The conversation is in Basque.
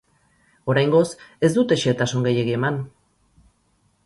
Oraingoz, ez dute xehetasun gehiegi eman.